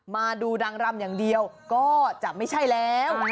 มาดูนางรำอย่างเดียวก็จะไม่ใช่แล้ว